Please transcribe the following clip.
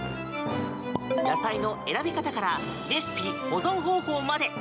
野菜の選び方からレシピ、保存方法まで。